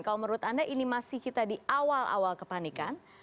kalau menurut anda ini masih kita di awal awal kepanikan